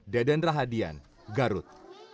deden rahadian garut